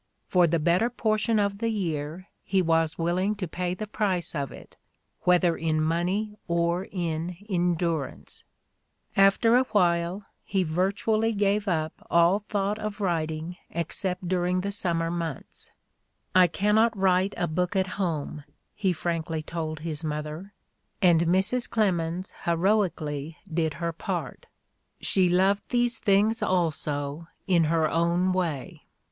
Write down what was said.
... For the better portion of the year he was willing to pay the price of it, whether in money or in endurance" — after a while he virtually gave up all thought of writing except during the sum mer months: "I cannot write a book at home," he frankly told his mother — "and Mrs. Clemens heroically did her part. She loved these things also, in her own 132 The Ordeal of Mark Twain way.